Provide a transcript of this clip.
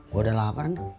gue udah lapar nek